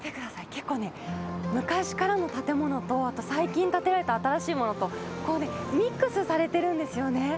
結構ね、昔からの建物と、あと最近建てられた新しいものと、ミックスされてるんですよね。